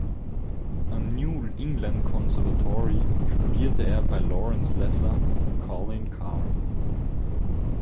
Am New England Conservatory studierte er bei Laurence Lesser und Colin Carr.